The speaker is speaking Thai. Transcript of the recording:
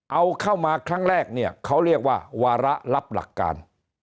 เอาเข้ามาครั้งแรกเนี่ยเขาเรียกว่าวาระรับหลักการ